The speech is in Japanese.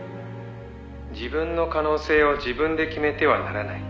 「自分の可能性を自分で決めてはならない」